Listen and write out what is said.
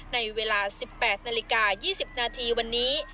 ในเวลา๑๘นาฬิกา๒๐นาทีวันนี้